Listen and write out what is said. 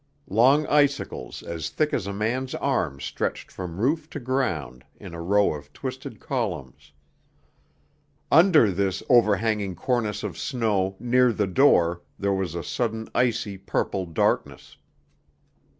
Long icicles as thick as a man's arm stretched from roof to ground in a row of twisted columns. Under this overhanging cornice of snow near the door there was a sudden icy purple darkness.